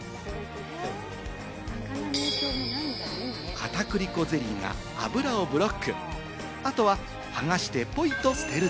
片栗粉ゼリーが脂をブロック。